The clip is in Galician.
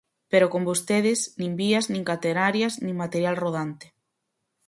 Pero con vostedes, nin vías, nin catenarias, nin material rodante.